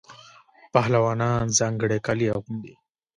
پهلوانان ځانګړي کالي اغوندي.